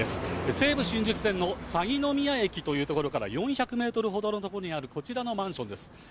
西武新宿線の鷺ノ宮駅という所から４００メートルほどの所にある、こちらのマンションです。